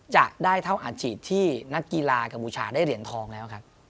จะได้เท่าอาชีพที่นักกีฬากัมพูชาได้เหรียญทองแล้วครับ